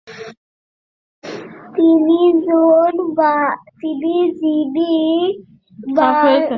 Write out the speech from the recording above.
তিনি জিন বাহিনীকে পরাজিত করে ফেংশিয়াং শহর দখল করেন।